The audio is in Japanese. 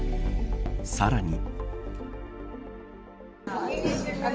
さらに。